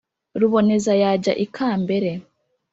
ruboneza yajya i kambere,